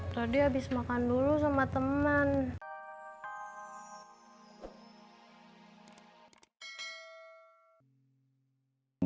tadi habis makan dulu sama teman